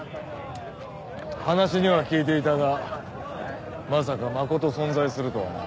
話には聞いていたがまさかまこと存在するとはな。